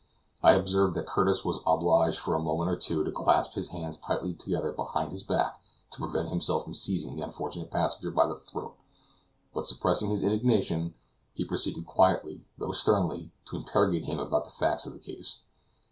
I observed that Curtis was obliged for a moment or two to clasp his hands tightly together behind his back to prevent himself from seizing the unfortunate passenger by the throat; but suppressing his indignation, he proceeded quietly, though sternly, to interrogate him about the facts of the case.